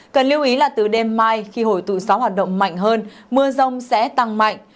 cần lưu ý là từ đêm mai khi hồi tụ gió hoạt động mạnh hơn mưa rông sẽ tăng mạnh